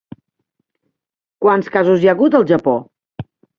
Quants casos hi ha hagut al Japó?